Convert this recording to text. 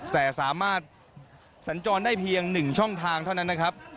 แต่สามารถสัญจรได้เพียง๑ช่องทางเท่านั้นนะครับ